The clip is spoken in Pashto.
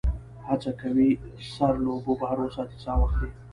هڅه کوي سر له اوبو بهر وساتي چې سا واخلي.